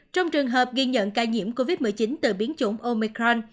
trong trường hợp ghi nhận ca nhiễm covid một mươi chín từ biến chủng omicron